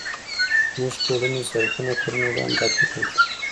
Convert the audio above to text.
زموږ ټولنې زرګونه کلونه وړاندې دا فکر درلود